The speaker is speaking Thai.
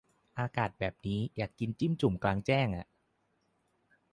อากาศแบบนี้ อยากกินจิ้มจุ่มกลางแจ้งอ่ะ